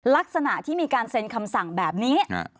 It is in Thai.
ลักษณะที่มีการเซ็นคำสั่งแบบนี้